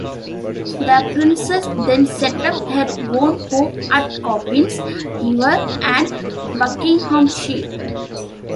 The Princess then set up her own home at Coppins, Iver, in Buckinghamshire.